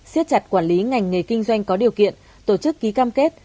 siết chặt quản lý ngành nghề kinh doanh có điều kiện tổ chức ký cam kết